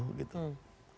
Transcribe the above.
belum didasarkan kepada etika